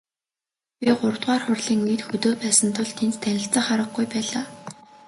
Би гуравдугаар хурлын үед хөдөө байсан тул тэнд танилцах аргагүй байлаа.